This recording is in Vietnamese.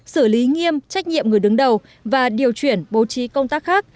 xử lý nghiêm trách nhiệm người đứng đầu và điều chuyển bố trí công tác khác